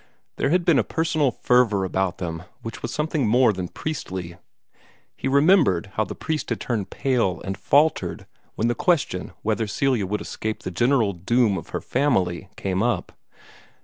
There had been a personal fervor about them which was something more than priestly. He remembered how the priest had turned pale and faltered when the question whether Celia would escape the general doom of her family came up.